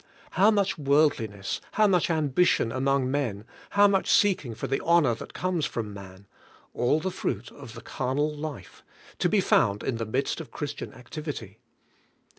How much worldliness, how much ambition among men, how much seek ing for the honor that comes from man — all the fruit of the carnal life — to be found in the midst of Christian activity!